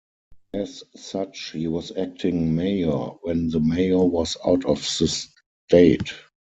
As such he was acting mayor when the mayor was out of the state.